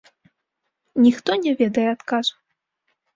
Ніхто не ведае адказу.